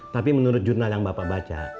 tapi menurut jurnal yang bapak baca